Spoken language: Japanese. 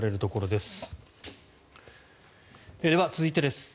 では続いてです。